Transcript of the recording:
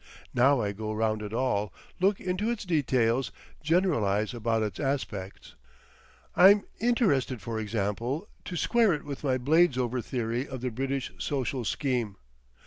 Now I go round it all, look into its details, generalise about its aspects. I'm interested, for example, to square it with my Bladesover theory of the British social scheme.